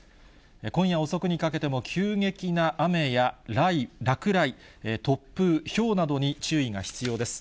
今夜遅くにかけても急激な雨や落雷、突風、ひょうなどに注意が必要です。